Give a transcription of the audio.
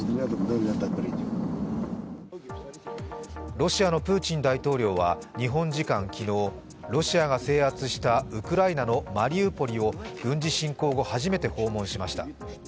ロシアのプーチン大統領は日本時間昨日ロシアが制圧したウクライナのマリウポリを軍事侵攻後、初めて訪問しました。